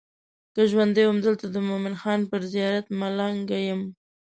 که ژوندی وم دلته د مومن خان پر زیارت ملنګه یم.